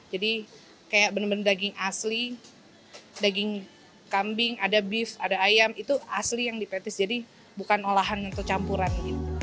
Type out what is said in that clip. jadi kayak benar benar daging asli daging kambing ada beef ada ayam itu asli yang dipetis jadi bukan olahan atau campuran